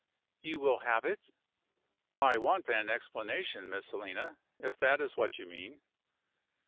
"You will have it?" "I want an explanation, Miss Helena, if that is what you mean."